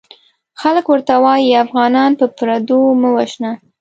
خلک ورته وايي افغانان په پردو مه وژنه!